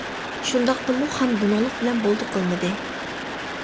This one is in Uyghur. شۇنداقتىمۇ خان بۇنىڭلىق بىلەن بولدى قىلمىدى.